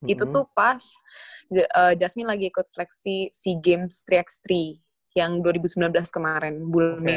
itu tuh pas jasmi lagi ikut seleksi sea games tiga x tiga yang dua ribu sembilan belas kemarin bulan mei